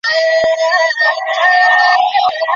প্রায় সকাল সাড়ে ছয়টা।